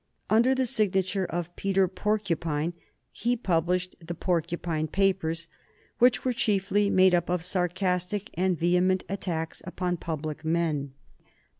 Under the signature of Peter Porcupine he published the "Porcupine Papers," which were chiefly made up of sarcastic and vehement attacks upon public men.